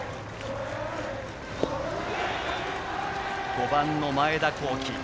５番の前田幸毅。